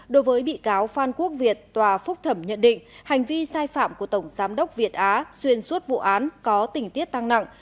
đối với bị cáo phan quốc việt tòa phúc thẩm nhận định hành vi sai phạm của tổng giám đốc việt á xuyên suốt vụ án có tình tiết tăng nặng